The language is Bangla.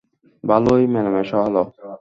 ভালোই মেলামেশা হল।